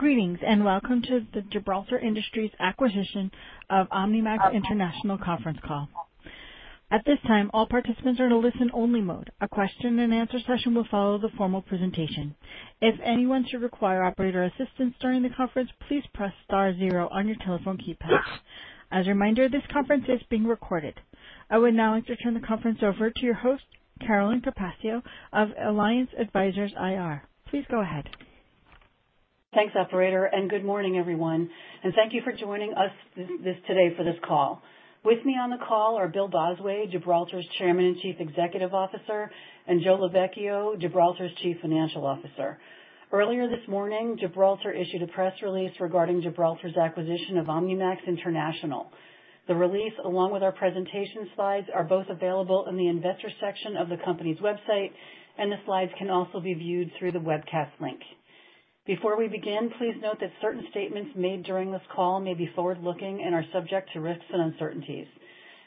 Greetings and welcome to the Gibraltar Industries acquisition of OmniMax International conference call. At this time, all participants are in a listen-only mode. A question-and-answer session will follow the formal presentation. If anyone should require operator assistance during the conference, please press star zero on your telephone keypad. As a reminder, this conference is being recorded. I would now like to turn the conference over to your host, Carolyn Capaccio of Alliance Advisors IR. Please go ahead. Thanks, operator, and good morning, everyone. Thank you for joining us today for this call. With me on the call are Bill Bosway, Gibraltar's Chairman and Chief Executive Officer, and Joe Lovechio, Gibraltar's Chief Financial Officer. Earlier this morning, Gibraltar issued a press release regarding Gibraltar's acquisition of OmniMax International. The release, along with our presentation slides, are both available in the investor section of the company's website, and the slides can also be viewed through the webcast link. Before we begin, please note that certain statements made during this call may be forward-looking and are subject to risks and uncertainties.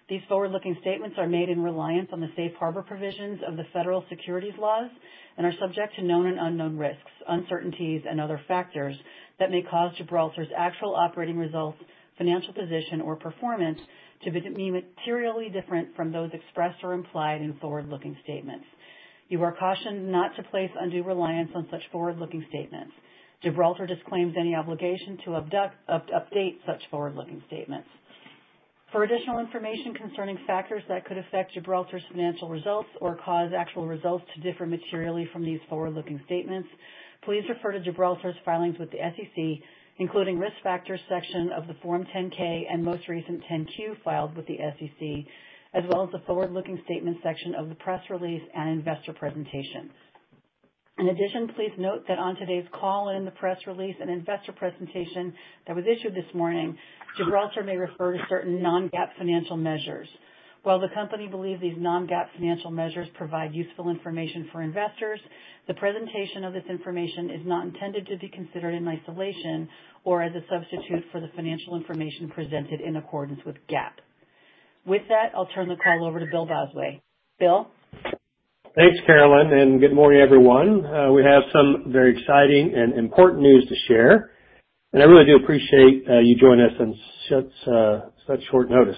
These forward-looking statements are made in reliance on the safe harbor provisions of the federal securities laws and are subject to known and unknown risks, uncertainties, and other factors that may cause Gibraltar's actual operating results, financial position, or performance to be materially different from those expressed or implied in forward-looking statements. You are cautioned not to place undue reliance on such forward-looking statements. Gibraltar disclaims any obligation to update such forward-looking statements. For additional information concerning factors that could affect Gibraltar's financial results or cause actual results to differ materially from these forward-looking statements, please refer to Gibraltar's filings with the SEC, including the risk factors section of the Form 10-K and most recent 10-Q filed with the SEC, as well as the forward-looking statements section of the press release and investor presentation. In addition, please note that on today's call and in the press release and investor presentation that was issued this morning, Gibraltar may refer to certain non-GAAP financial measures. While the company believes these non-GAAP financial measures provide useful information for investors, the presentation of this information is not intended to be considered in isolation or as a substitute for the financial information presented in accordance with GAAP. With that, I'll turn the call over to Bill Bosway. Bill. Thanks, Carolyn, and good morning, everyone. We have some very exciting and important news to share, and I really do appreciate you joining us on such short notice.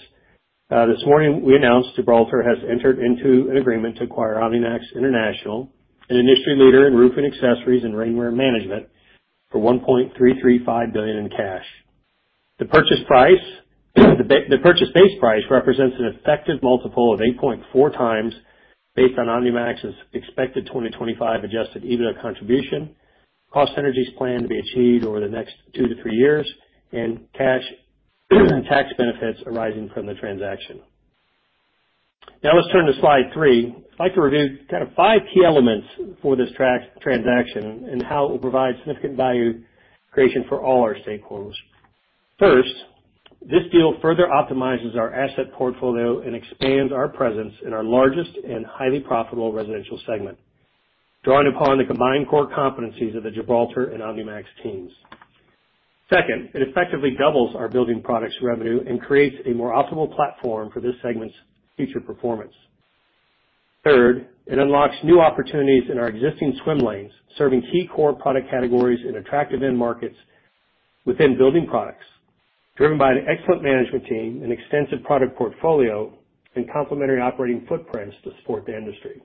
This morning, we announced Gibraltar has entered into an agreement to acquire OmniMax International, an industry leader in roofing accessories and Rainware Management, for $1.335 billion in cash. The purchase base price represents an effective multiple of 8.4x based on OmniMax's expected 2025 Adjusted EBITDA contribution, cost synergies planned to be achieved over the next two to three years, and cash tax benefits arising from the transaction. Now, let's turn to slide three. I'd like to review kind of five key elements for this transaction and how it will provide significant value creation for all our stakeholders. First, this deal further optimizes our asset portfolio and expands our presence in our largest and highly profitable residential segment, drawing upon the combined core competencies of the Gibraltar and OmniMax teams. Second, it effectively doubles our building products' revenue and creates a more optimal platform for this segment's future performance. Third, it unlocks new opportunities in our existing swim lanes, serving key core product categories in attractive end markets within building products, driven by an excellent management team, an extensive product portfolio, and complementary operating footprints to support the industry.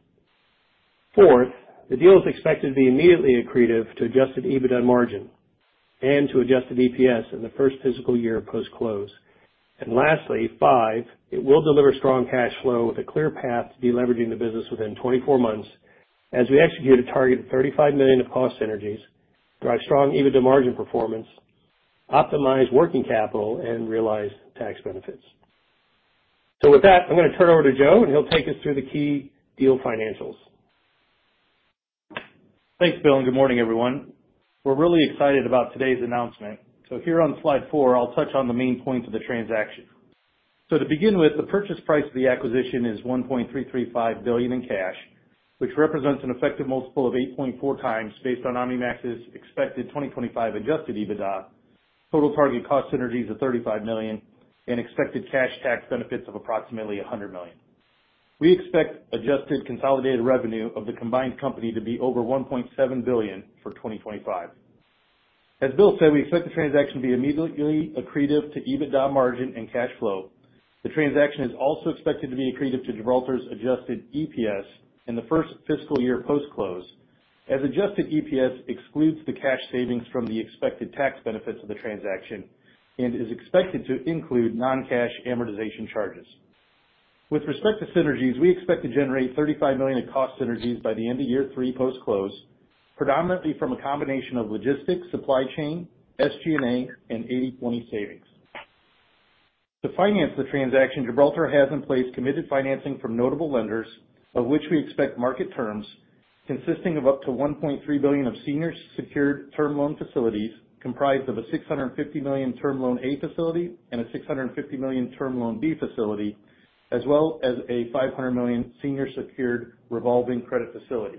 Fourth, the deal is expected to be immediately accretive to Adjusted EBITDA margin and to Adjusted EPS in the first fiscal year post-close. Lastly, five, it will deliver strong cash flow with a clear path to deleveraging the business within 24 months as we execute a target of $35 million of cost synergies, drive strong EBITDA margin performance, optimize working capital, and realize tax benefits. With that, I'm going to turn over to Joe, and he'll take us through the key deal financials. Thanks, Bill, and good morning, everyone. We're really excited about today's announcement. Here on slide four, I'll touch on the main points of the transaction. To begin with, the purchase price of the acquisition is $1.335 billion in cash, which represents an effective multiple of 8.4x based on OmniMax's expected 2025 Adjusted EBITDA, total target cost synergies of $35 million, and expected cash tax benefits of approximately $100 million. We expect adjusted consolidated revenue of the combined company to be over $1.7 billion for 2025. As Bill said, we expect the transaction to be immediately accretive to EBITDA margin and cash flow. The transaction is also expected to be accretive to Gibraltar's Adjusted EPS in the first fiscal year post-close, as Adjusted EPS excludes the cash savings from the expected tax benefits of the transaction and is expected to include non-cash amortization charges. With respect to synergies, we expect to generate $35 million in cost synergies by the end of year three post-close, predominantly from a combination of logistics, supply chain, SG&A, and 80/20 savings. To finance the transaction, Gibraltar has in place committed financing from notable lenders, of which we expect market terms consisting of up to $1.3 billion of senior-secured term loan facilities, comprised of a $650 million term loan A facility and a $650 million term loan B facility, as well as a $500 million senior-secured revolving credit facility.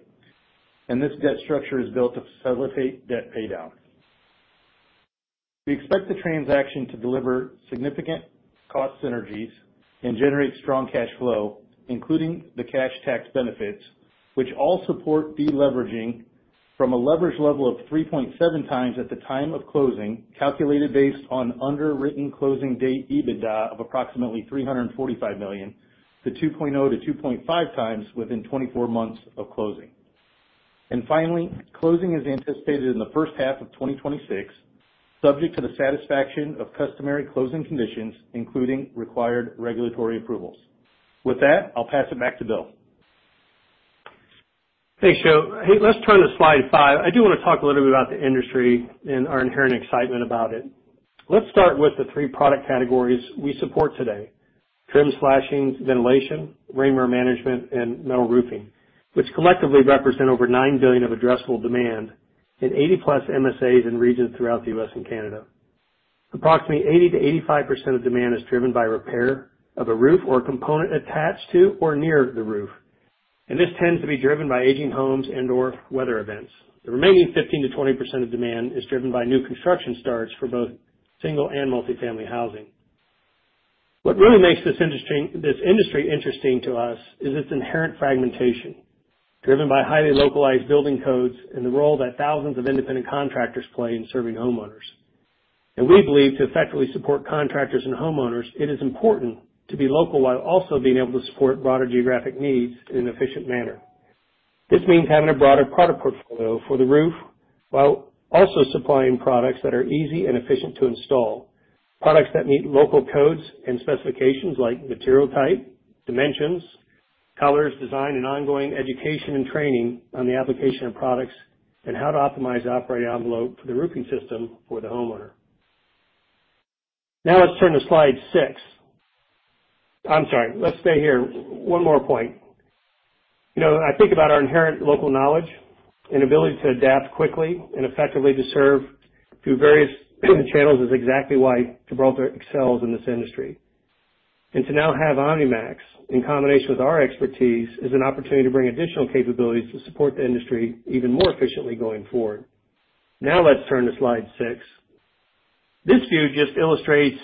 This debt structure is built to facilitate debt paydown. We expect the transaction to deliver significant cost synergies and generate strong cash flow, including the cash tax benefits, which all support deleveraging from a leverage level of 3.7x at the time of closing, calculated based on underwritten closing date EBITDA of approximately $345 million to 2.0x-2.5x within 24 months of closing. Finally, closing is anticipated in the first half of 2026, subject to the satisfaction of customary closing conditions, including required regulatory approvals. With that, I'll pass it back to Bill. Thanks, Joe. Let's turn to slide five. I do want to talk a little bit about the industry and our inherent excitement about it. Let's start with the three product categories we support today: trim/splashings, ventilation, Rainware Management, and metal roofing, which collectively represent over $9 billion of addressable demand in 80+ MSAs in regions throughout the U.S. and Canada. Approximately 80%-85% of demand is driven by repair of a roof or component attached to or near the roof, and this tends to be driven by aging homes and/or weather events. The remaining 15%-20% of demand is driven by new construction starts for both single and multi-family housing. What really makes this industry interesting to us is its inherent fragmentation, driven by highly localized building codes and the role that thousands of independent contractors play in serving homeowners. We believe to effectively support contractors and homeowners, it is important to be local while also being able to support broader geographic needs in an efficient manner. This means having a broader product portfolio for the roof while also supplying products that are easy and efficient to install, products that meet local codes and specifications like material type, dimensions, colors, design, and ongoing education and training on the application of products, and how to optimize the operating envelope for the roofing system for the homeowner. Now, let's turn to slide six. I'm sorry, let's stay here. One more point. I think about our inherent local knowledge and ability to adapt quickly and effectively to serve through various channels is exactly why Gibraltar excels in this industry. To now have OmniMax in combination with our expertise is an opportunity to bring additional capabilities to support the industry even more efficiently going forward. Let's turn to slide six. This view just illustrates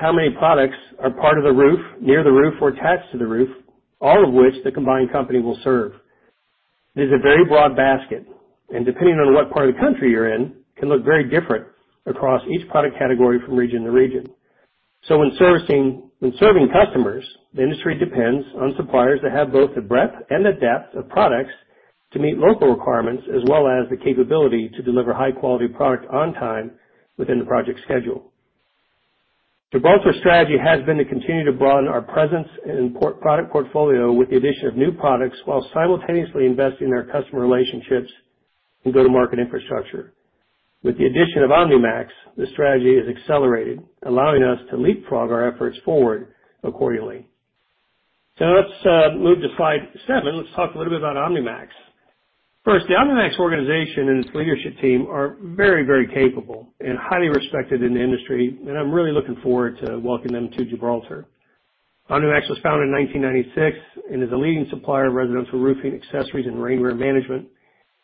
how many products are part of the roof, near the roof, or attached to the roof, all of which the combined company will serve. It is a very broad basket, and depending on what part of the country you're in, it can look very different across each product category from region to region. When serving customers, the industry depends on suppliers that have both the breadth and the depth of products to meet local requirements, as well as the capability to deliver high-quality product on time within the project schedule. Gibraltar's strategy has been to continue to broaden our presence and product portfolio with the addition of new products while simultaneously investing in our customer relationships and go-to-market infrastructure. With the addition of OmniMax, the strategy is accelerated, allowing us to leapfrog our efforts forward accordingly. Let's move to slide seven. Let's talk a little bit about OmniMax. First, the OmniMax organization and its leadership team are very, very capable and highly respected in the industry, and I'm really looking forward to welcoming them to Gibraltar. OmniMax was founded in 1996 and is a leading supplier of residential roofing accessories and Rainware Management,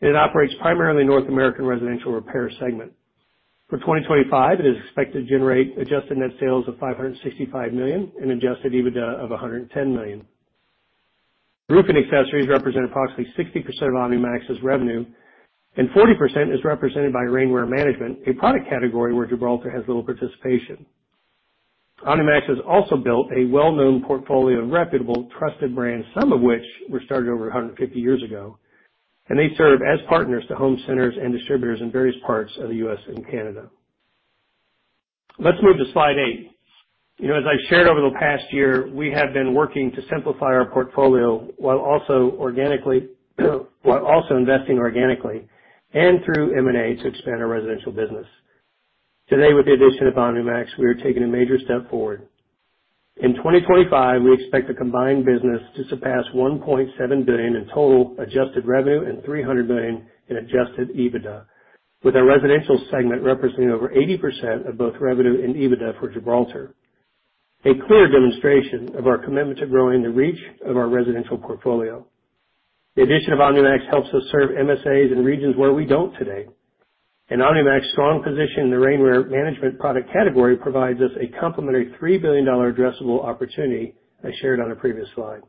and it operates primarily in the North American residential repair segment. For 2025, it is expected to generate adjusted net sales of $565 million and Adjusted EBITDA of $110 million. Roofing accessories represent approximately 60% of OmniMax's revenue, and 40% is represented by Rainware Management, a product category where Gibraltar has little participation. OmniMax has also built a well-known portfolio of reputable, trusted brands, some of which were started over 150 years ago, and they serve as partners to home centers and distributors in various parts of the US and Canada. Let's move to slide eight. As I've shared over the past year, we have been working to simplify our portfolio while also investing organically and through M&A to expand our residential business. Today, with the addition of OmniMax, we are taking a major step forward. In 2025, we expect the combined business to surpass $1.7 billion in total adjusted revenue and $300 million in adjusted EBITDA, with our residential segment representing over 80% of both revenue and EBITDA for Gibraltar, a clear demonstration of our commitment to growing the reach of our residential portfolio. The addition of OmniMax helps us serve MSAs in regions where we do not today, and OmniMax's strong position in the Rainware Management product category provides us a complementary $3 billion addressable opportunity, as shared on a previous slide.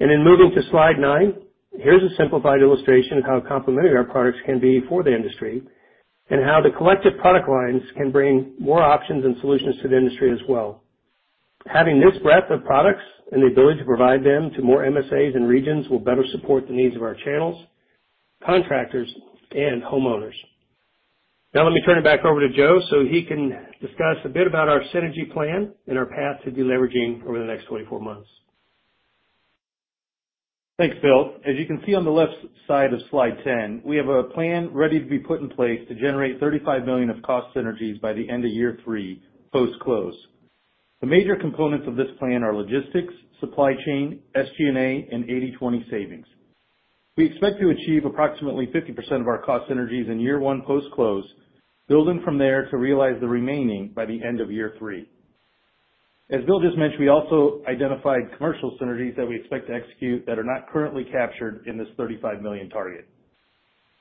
Moving to slide nine, here is a simplified illustration of how complementary our products can be for the industry and how the collective product lines can bring more options and solutions to the industry as well. Having this breadth of products and the ability to provide them to more MSAs and regions will better support the needs of our channels, contractors, and homeowners. Now, let me turn it back over to Joe so he can discuss a bit about our synergy plan and our path to deleveraging over the next 24 months. Thanks, Bill. As you can see on the left side of slide 10, we have a plan ready to be put in place to generate $35 million of cost synergies by the end of year three post-close. The major components of this plan are logistics, supply chain, SG&A, and 80/20 savings. We expect to achieve approximately 50% of our cost synergies in year one post-close, building from there to realize the remaining by the end of year three. As Bill just mentioned, we also identified commercial synergies that we expect to execute that are not currently captured in this $35 million target.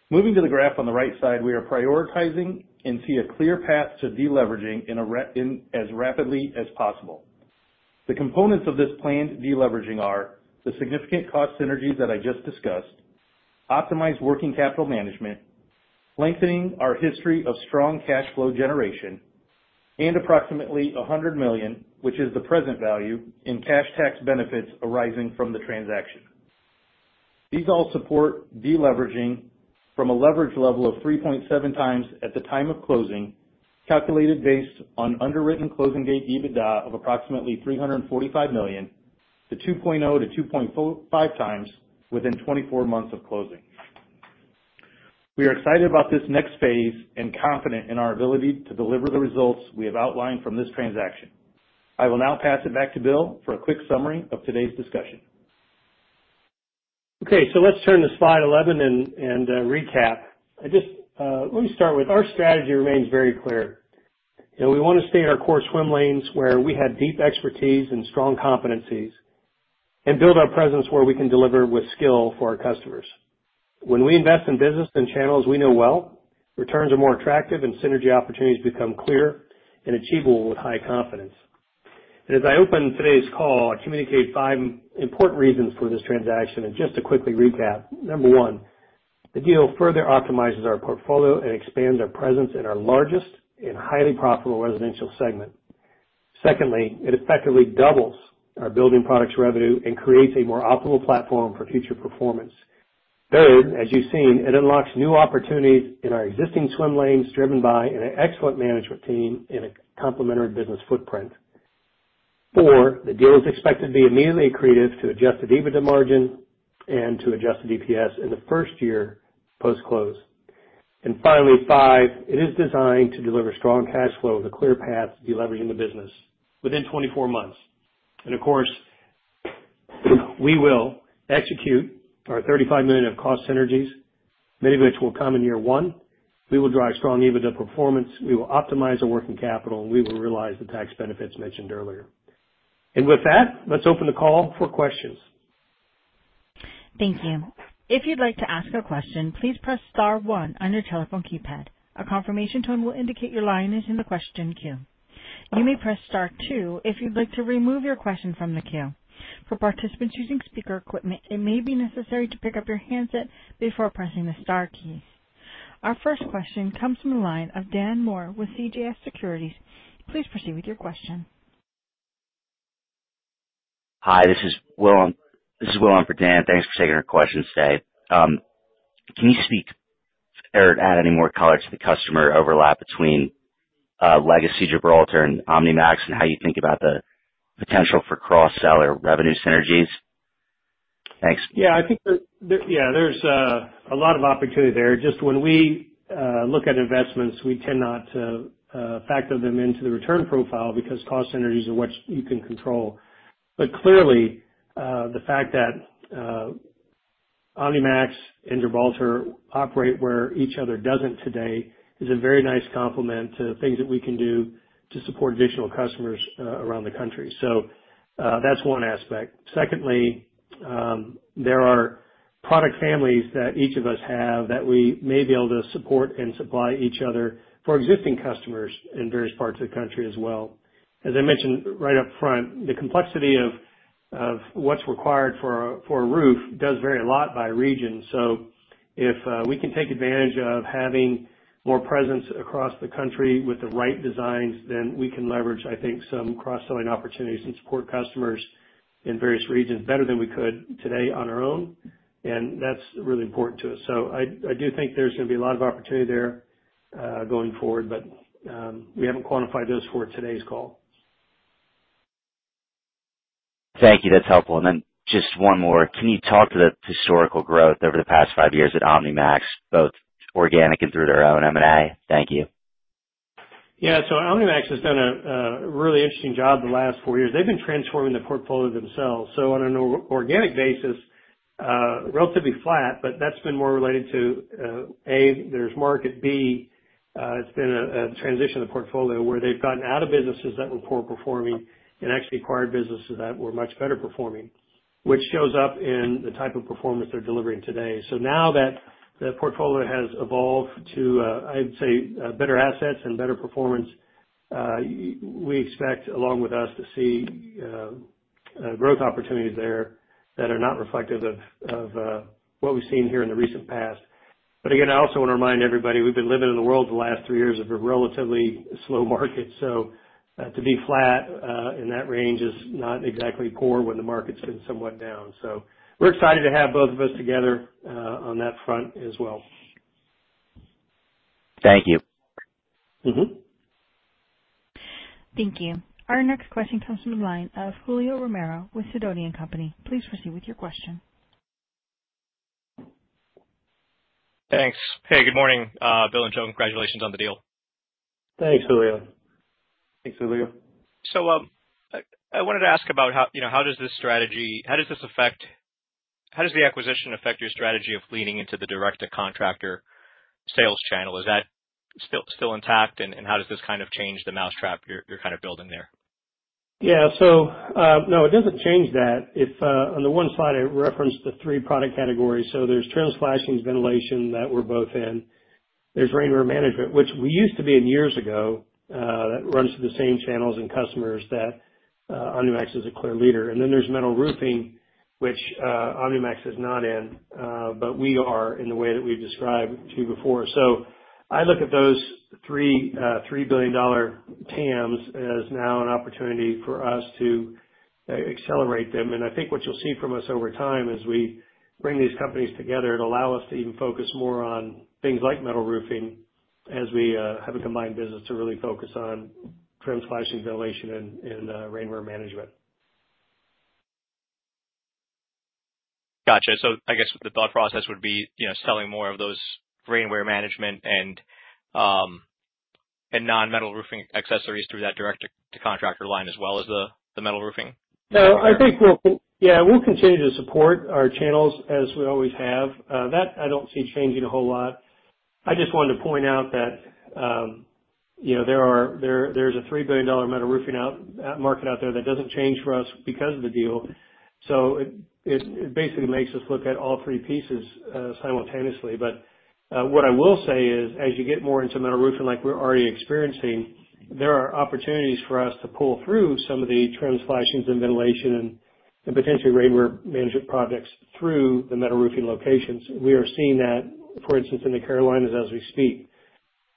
Moving to the graph on the right side, we are prioritizing and see a clear path to deleveraging as rapidly as possible. The components of this planned deleveraging are the significant cost synergies that I just discussed, optimized working capital management, lengthening our history of strong cash flow generation, and approximately $100 million, which is the present value in cash tax benefits arising from the transaction. These all support deleveraging from a leverage level of 3.7x at the time of closing, calculated based on underwritten closing date EBITDA of approximately $345 million to 2.0x-2.5x within 24 months of closing. We are excited about this next phase and confident in our ability to deliver the results we have outlined from this transaction. I will now pass it back to Bill for a quick summary of today's discussion. Okay, so let's turn to slide 11 and recap. Let me start with our strategy remains very clear. We want to stay in our core swim lanes where we have deep expertise and strong competencies and build our presence where we can deliver with skill for our customers. When we invest in business and channels we know well, returns are more attractive and synergy opportunities become clear and achievable with high confidence. As I open today's call, I communicate five important reasons for this transaction and just to quickly recap. Number one, the deal further optimizes our portfolio and expands our presence in our largest and highly profitable residential segment. Secondly, it effectively doubles our building products revenue and creates a more optimal platform for future performance. Third, as you've seen, it unlocks new opportunities in our existing swim lanes driven by an excellent management team and a complementary business footprint. Four, the deal is expected to be immediately accretive to Adjusted EBITDA margin and to Adjusted EPS in the first year post-close. Finally, five, it is designed to deliver strong cash flow with a clear path to deleveraging the business within 24 months. Of course, we will execute our $35 million of cost synergies, many of which will come in year one. We will drive strong EBITDA performance, we will optimize our working capital, and we will realize the tax benefits mentioned earlier. With that, let's open the call for questions. Thank you. If you'd like to ask a question, please press star one on your telephone keypad. A confirmation tone will indicate your line is in the question queue. You may press star two if you'd like to remove your question from the queue. For participants using speaker equipment, it may be necessary to pick up your handset before pressing the star key. Our first question comes from the line of Dan Moore with CJS Securities. Please proceed with your question. Hi, this is Will. This is Will on for Dan. Thanks for taking our questions today. Can you speak or add any more color to the customer overlap between Legacy Gibraltar and OmniMax and how you think about the potential for cross-seller revenue synergies? Thanks. Yeah, I think there's a lot of opportunity there. Just when we look at investments, we tend not to factor them into the return profile because cost synergies are what you can control. Clearly, the fact that OmniMax and Gibraltar operate where each other doesn't today is a very nice complement to things that we can do to support additional customers around the country. That is one aspect. Secondly, there are product families that each of us have that we may be able to support and supply each other for existing customers in various parts of the country as well. As I mentioned right up front, the complexity of what's required for a roof does vary a lot by region. If we can take advantage of having more presence across the country with the right designs, then we can leverage, I think, some cross-selling opportunities and support customers in various regions better than we could today on our own, and that's really important to us. I do think there's going to be a lot of opportunity there going forward, but we haven't quantified those for today's call. Thank you. That's helpful. Just one more. Can you talk to the historical growth over the past five years at OmniMax, both organic and through their own M&A? Thank you. Yeah, so OmniMax has done a really interesting job the last four years. They've been transforming the portfolio themselves. On an organic basis, relatively flat, but that's been more related to, A, there's market, B, it's been a transition of the portfolio where they've gotten out of businesses that were poor performing and actually acquired businesses that were much better performing, which shows up in the type of performance they're delivering today. Now that the portfolio has evolved to, I'd say, better assets and better performance, we expect, along with us, to see growth opportunities there that are not reflective of what we've seen here in the recent past. Again, I also want to remind everybody we've been living in the world the last three years of a relatively slow market. To be flat in that range is not exactly poor when the market's been somewhat down. We're excited to have both of us together on that front as well. Thank you. Thank you. Our next question comes from the line of Julio Romero with Sidoti & Company. Please proceed with your question. Thanks. Hey, good morning, Bill and Joe. Congratulations on the deal. Thanks, Julio. Thanks, Julio. I wanted to ask about how does this strategy, how does the acquisition affect your strategy of leaning into the direct-to-contractor sales channel? Is that still intact, and how does this kind of change the mousetrap you're kind of building there? Yeah, so no, it doesn't change that. On the one slide, I referenced the three product categories. So there's trim splashings, ventilation that we're both in. There's Rainware Management, which we used to be in years ago, that runs through the same channels and customers that OmniMax is a clear leader. And then there's metal roofing, which OmniMax is not in, but we are in the way that we've described to you before. I look at those three $3 billion TAMs as now an opportunity for us to accelerate them. I think what you'll see from us over time as we bring these companies together, it'll allow us to even focus more on things like metal roofing as we have a combined business to really focus on trim splashing, ventilation, and Rainware Management. Gotcha. So I guess the thought process would be selling more of those Rainware Management and non-metal roofing accessories through that direct-to-contractor line as well as the metal roofing? No, I think we'll, yeah, we'll continue to support our channels as we always have. That I don't see changing a whole lot. I just wanted to point out that there's a $3 billion metal roofing market out there that doesn't change for us because of the deal. It basically makes us look at all three pieces simultaneously. What I will say is, as you get more into metal roofing like we're already experiencing, there are opportunities for us to pull through some of the trim splashings and ventilation and potentially Rainware management projects through the metal roofing locations. We are seeing that, for instance, in the Carolinas as we speak.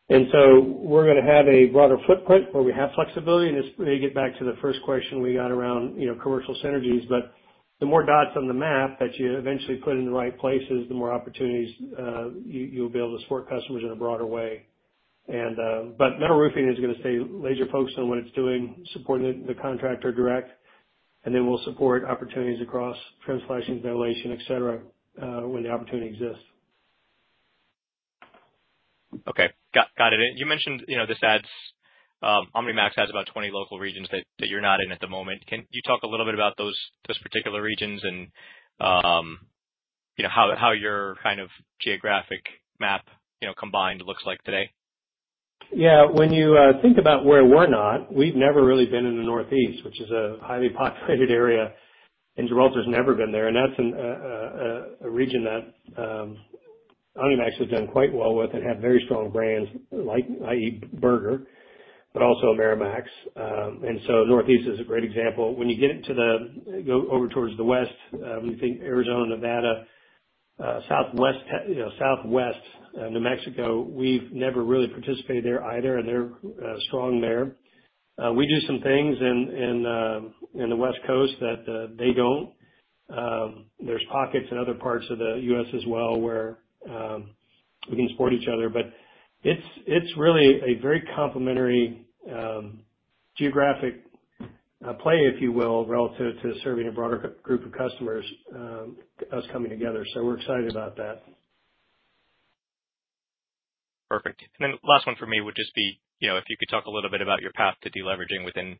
We are going to have a broader footprint where we have flexibility. This may get back to the first question we got around commercial synergies, but the more dots on the map that you eventually put in the right places, the more opportunities you'll be able to support customers in a broader way. Metal roofing is going to stay laser-focused on what it's doing, supporting the contractor direct, and then we'll support opportunities across trim, splashing, ventilation, etc., when the opportunity exists. Okay. Got it. You mentioned this adds OmniMax has about 20 local regions that you're not in at the moment. Can you talk a little bit about those particular regions and how your kind of geographic map combined looks like today? Yeah. When you think about where we're not, we've never really been in the Northeast, which is a highly populated area, and Gibraltar's never been there. That's a region that OmniMax has done quite well with and had very strong brands, i.e., Burger, but also Amerimax. Northeast is a great example. When you go over towards the West, we think Arizona, Nevada, Southwest, New Mexico, we've never really participated there either, and they're strong there. We do some things in the West Coast that they don't. There are pockets in other parts of the U.S. as well where we can support each other. It's really a very complementary geographic play, if you will, relative to serving a broader group of customers, us coming together. We're excited about that. Perfect. Last one for me would just be if you could talk a little bit about your path to deleveraging within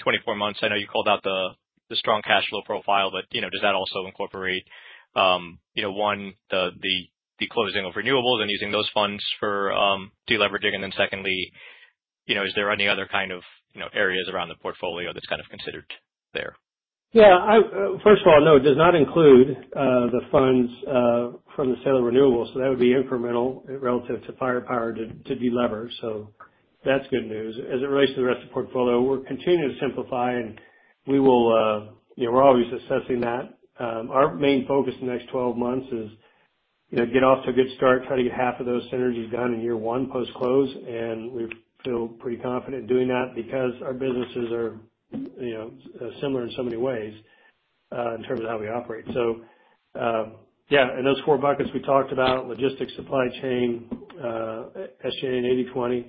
24 months. I know you called out the strong cash flow profile, but does that also incorporate, one, the closing of renewables and using those funds for deleveraging? Secondly, is there any other kind of areas around the portfolio that's kind of considered there? Yeah. First of all, no, it does not include the funds from the sale of renewables. That would be incremental relative to firepower to deliver. That is good news. As it relates to the rest of the portfolio, we are continuing to simplify, and we will, we are always assessing that. Our main focus in the next 12 months is get off to a good start, try to get half of those synergies done in year one post-close. We feel pretty confident doing that because our businesses are similar in so many ways in terms of how we operate. Yeah, and those four buckets we talked about, logistics, supply chain, SG&A, and 80/20,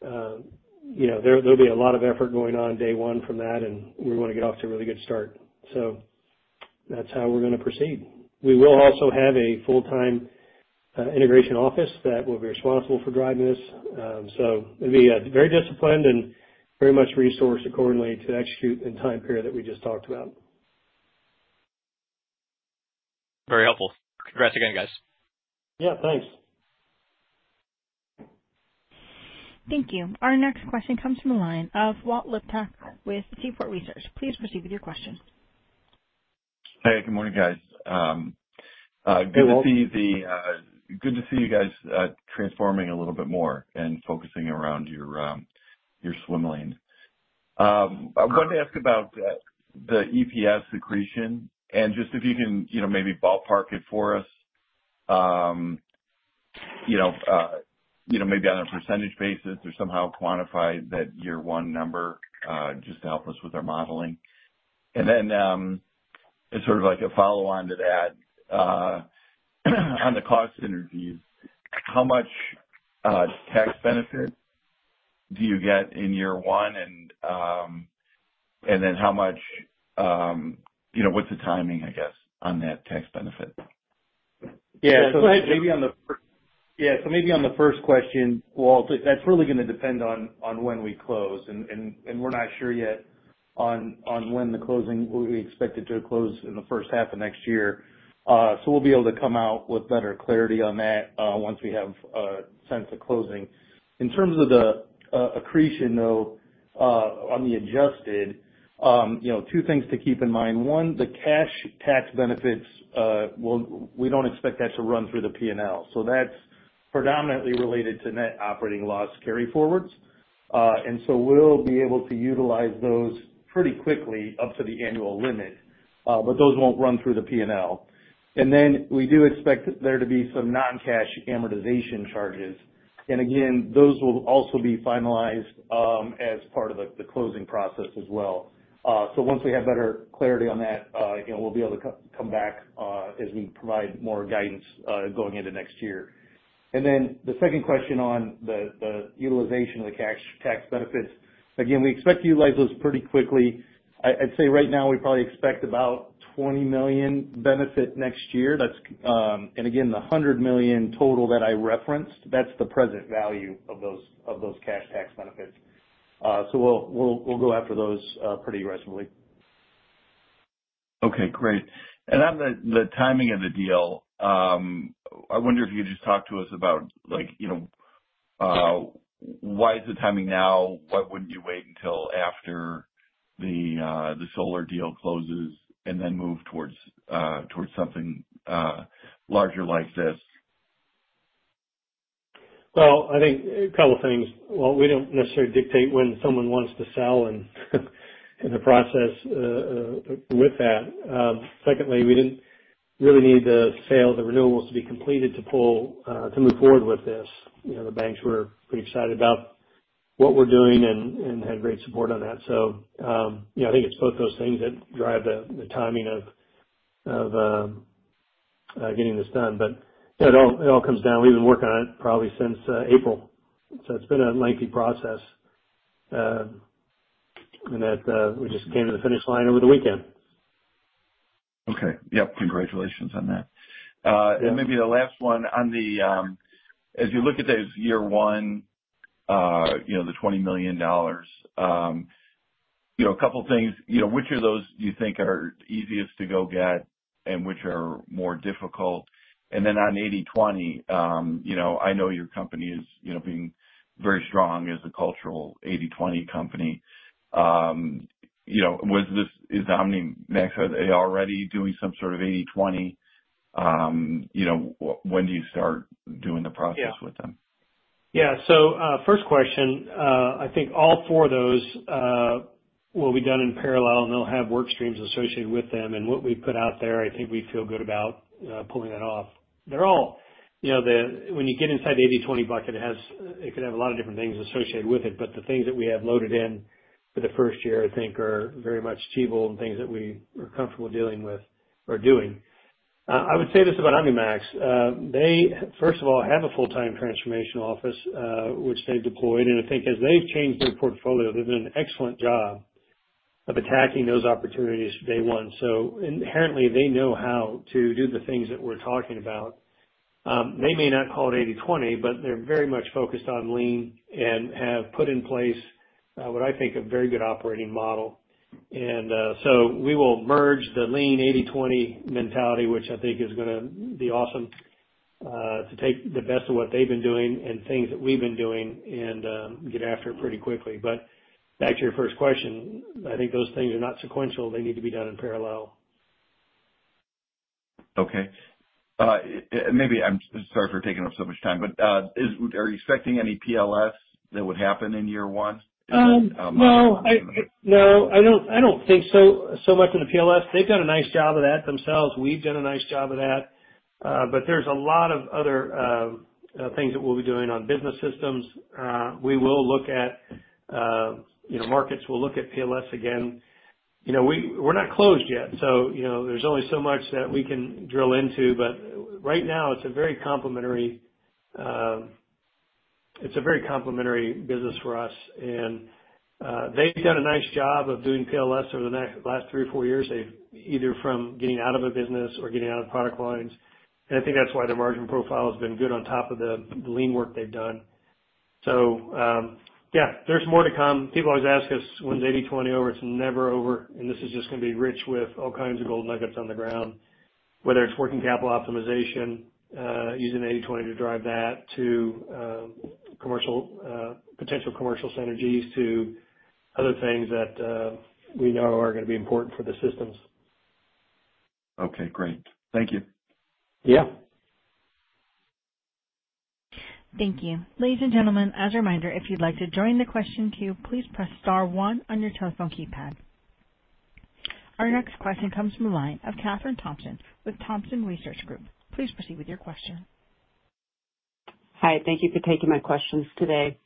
there will be a lot of effort going on day one from that, and we want to get off to a really good start. That is how we are going to proceed. We will also have a full-time integration office that will be responsible for driving this. It will be very disciplined and very much resourced accordingly to execute in the time period that we just talked about. Very helpful. Congrats again, guys. Yeah, thanks. Thank you. Our next question comes from the line of Walt Liptak with Seaport Research. Please proceed with your questions. Hey, good morning, guys. Good to see you Walt. Good to see you guys transforming a little bit more and focusing around your swim lane. I wanted to ask about the EPS accretion and just if you can maybe ballpark it for us, maybe on a percentage basis or somehow quantify that year one number just to help us with our modeling. Then it's sort of like a follow-on to that. On the cost synergies, how much tax benefit do you get in year one? And then how much, what's the timing, I guess, on that tax benefit? Yeah. Maybe on the first question, that's really going to depend on when we close. We're not sure yet on when the closing is. We expect it to close in the first half of next year. We'll be able to come out with better clarity on that once we have a sense of closing. In terms of the accretion, though, on the adjusted, two things to keep in mind. One, the cash tax benefits, we don't expect that to run through the P&L. That's predominantly related to net operating loss carry forwards. We'll be able to utilize those pretty quickly up to the annual limit, but those won't run through the P&L. We do expect there to be some non-cash amortization charges. Those will also be finalized as part of the closing process as well. Once we have better clarity on that, we'll be able to come back as we provide more guidance going into next year. The second question on the utilization of the cash tax benefits, we expect to utilize those pretty quickly. I'd say right now we probably expect about $20 million benefit next year. The $100 million total that I referenced, that's the present value of those cash tax benefits. We'll go after those pretty aggressively. Okay, great. On the timing of the deal, I wonder if you could just talk to us about why is the timing now? Why would you not wait until after the solar deal closes and then move towards something larger like this? I think a couple of things. We do not necessarily dictate when someone wants to sell in the process with that. Secondly, we did not really need the sale of the renewables to be completed to move forward with this. The banks were pretty excited about what we are doing and had great support on that. I think it is both those things that drive the timing of getting this done. It all comes down to we have been working on it probably since April. It has been a lengthy process, and we just came to the finish line over the weekend. Okay. Yep. Congratulations on that. Maybe the last one, as you look at those year one, the $20 million, a couple of things, which of those do you think are easiest to go get and which are more difficult? On 80/20, I know your company is being very strong as a cultural 80/20 company. Is OmniMax, are they already doing some sort of 80/20? When do you start doing the process with them? Yeah. First question, I think all four of those will be done in parallel, and they'll have work streams associated with them. What we've put out there, I think we feel good about pulling that off. They're all, when you get inside the 80/20 bucket, it could have a lot of different things associated with it. The things that we have loaded in for the first year, I think, are very much achievable and things that we are comfortable dealing with or doing. I would say this about OmniMax. They, first of all, have a full-time transformation office, which they've deployed. I think as they've changed their portfolio, they've done an excellent job of attacking those opportunities day one. Inherently, they know how to do the things that we're talking about. They may not call it 80/20, but they're very much focused on lean and have put in place what I think is a very good operating model. We will merge the lean 80/20 mentality, which I think is going to be awesome to take the best of what they've been doing and things that we've been doing and get after it pretty quickly. Back to your first question, I think those things are not sequential. They need to be done in parallel. Okay. Maybe I'm sorry for taking up so much time, but are you expecting any PLS that would happen in year one? Is that a month? No. No, I do not think so much of the PLS. They have done a nice job of that themselves. We have done a nice job of that. There are a lot of other things that we will be doing on business systems. We will look at markets. We will look at PLS again. We are not closed yet. There is only so much that we can drill into. Right now, it is a very complementary business for us. They have done a nice job of doing PLS over the last three or four years, either from getting out of a business or getting out of product lines. I think that is why their margin profile has been good on top of the lean work they have done. Yes, there is more to come. People always ask us, "When is 80/20 over?" It is never over. This is just going to be rich with all kinds of gold nuggets on the ground, whether it's working capital optimization, using 80/20 to drive that to potential commercial synergies to other things that we know are going to be important for the systems. Okay. Great. Thank you. Yeah. Thank you. Ladies and gentlemen, as a reminder, if you'd like to join the question queue, please press star one on your telephone keypad. Our next question comes from the line of Kathryn Thompson with Thompson Research Group. Please proceed with your question. Hi. Thank you for taking my questions today.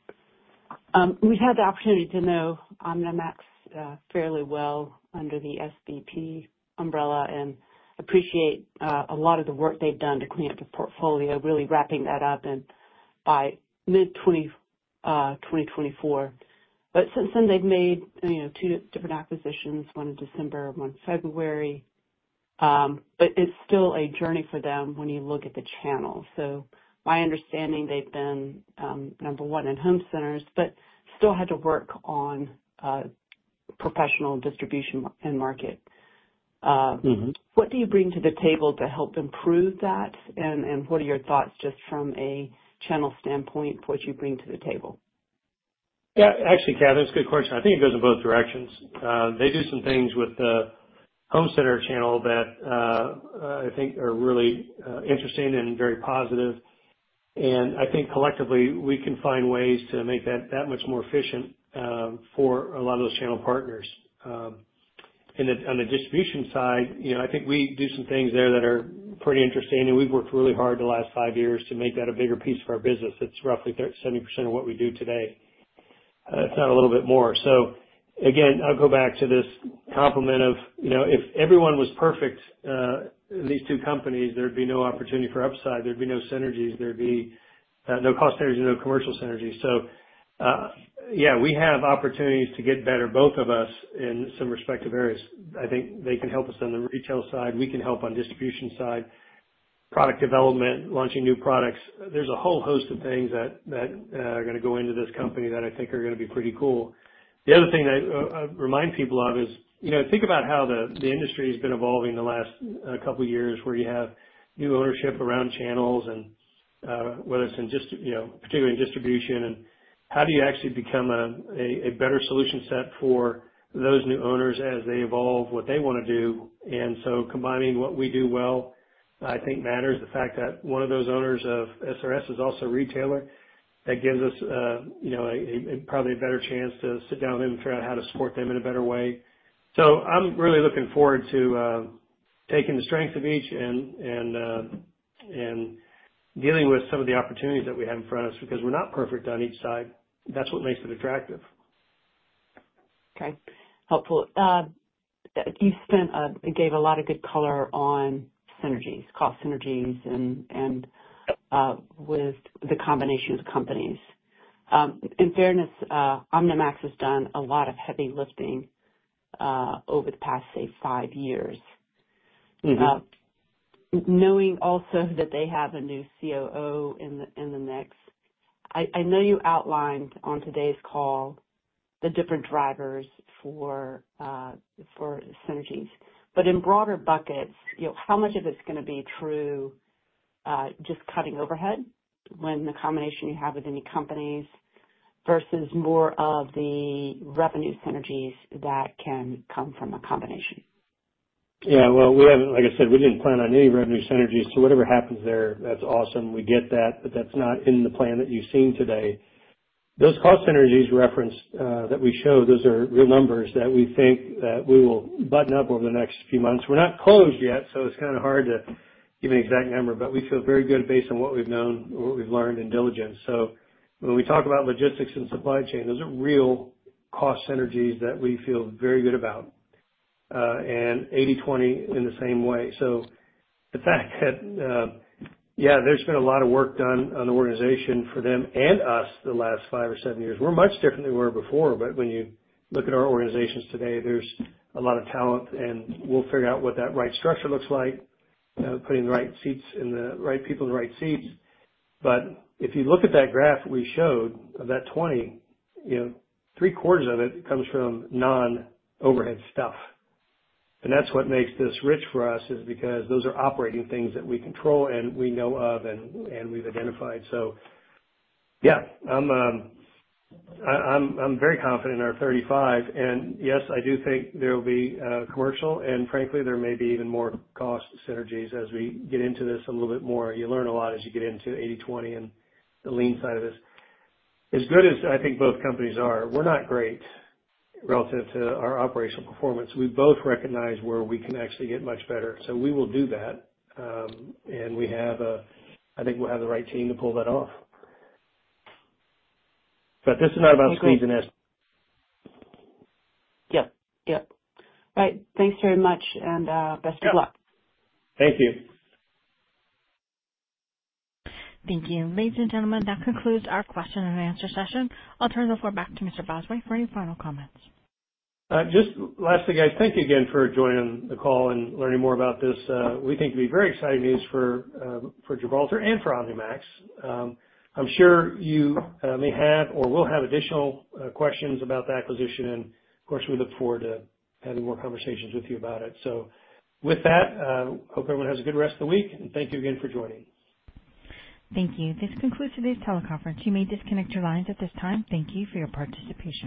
We've had the opportunity to know OmniMax fairly well under the SVP umbrella and appreciate a lot of the work they've done to clean up the portfolio, really wrapping that up by mid-2024. Since then, they've made two different acquisitions, one in December, one in February. It is still a journey for them when you look at the channel. My understanding, they've been number one in home centers, but still had to work on professional distribution and market. What do you bring to the table to help improve that? What are your thoughts just from a channel standpoint, what you bring to the table? Yeah. Actually, Kathryn, that's a good question. I think it goes in both directions. They do some things with the home center channel that I think are really interesting and very positive. I think collectively, we can find ways to make that that much more efficient for a lot of those channel partners. On the distribution side, I think we do some things there that are pretty interesting. We've worked really hard the last five years to make that a bigger piece of our business. It's roughly 70% of what we do today, if not a little bit more. Again, I'll go back to this complement of if everyone was perfect, these two companies, there'd be no opportunity for upside. There'd be no synergies. There'd be no cost synergies, no commercial synergies. Yeah, we have opportunities to get better, both of us, in some respective areas. I think they can help us on the retail side. We can help on distribution side, product development, launching new products. There is a whole host of things that are going to go into this company that I think are going to be pretty cool. The other thing that I remind people of is think about how the industry has been evolving the last couple of years where you have new ownership around channels, and whether it is particularly in distribution, and how do you actually become a better solution set for those new owners as they evolve what they want to do. Combining what we do well, I think, matters. The fact that one of those owners of SRS is also a retailer, that gives us probably a better chance to sit down with them and figure out how to support them in a better way. I am really looking forward to taking the strength of each and dealing with some of the opportunities that we have in front of us because we are not perfect on each side. That is what makes it attractive. Okay. Helpful. You gave a lot of good color on synergies, cost synergies, and with the combination of companies. In fairness, OmniMax has done a lot of heavy lifting over the past, say, five years. Knowing also that they have a new COO in the mix, I know you outlined on today's call the different drivers for synergies. In broader buckets, how much of it is going to be true just cutting overhead with the combination you have within the companies versus more of the revenue synergies that can come from a combination? Yeah. Like I said, we did not plan on any revenue synergies. So whatever happens there, that is awesome. We get that, but that is not in the plan that you have seen today. Those cost synergies referenced that we showed, those are real numbers that we think that we will button up over the next few months. We are not closed yet, so it is kind of hard to give an exact number, but we feel very good based on what we have known, what we have learned in diligence. When we talk about logistics and supply chain, those are real cost synergies that we feel very good about. And 80/20 in the same way. The fact that, yeah, there has been a lot of work done on the organization for them and us the last five or seven years. We are much different than we were before. When you look at our organizations today, there is a lot of talent, and we will figure out what that right structure looks like, putting the right people in the right seats. If you look at that graph we showed of that 20, three-quarters of it comes from non-overhead stuff. That is what makes this rich for us because those are operating things that we control and we know of and we have identified. Yeah, I am very confident in our 35. Yes, I do think there will be commercial. Frankly, there may be even more cost synergies as we get into this a little bit more. You learn a lot as you get into 80/20 and the lean side of this. As good as I think both companies are, we are not great relative to our operational performance. We both recognize where we can actually get much better. We will do that. I think we'll have the right team to pull that off. This is not about squeezing us. Yep. Yep. All right. Thanks very much, and best of luck. Thank you. Thank you. Ladies and gentlemen, that concludes our question and answer session. I'll turn the floor back to Mr. Bosway for any final comments. Just lastly, guys, thank you again for joining the call and learning more about this. We think it would be very exciting news for Gibraltar and for OmniMax. I'm sure you may have or will have additional questions about the acquisition. Of course, we look forward to having more conversations with you about it. With that, hope everyone has a good rest of the week. Thank you again for joining. Thank you. This concludes today's teleconference. You may disconnect your lines at this time. Thank you for your participation.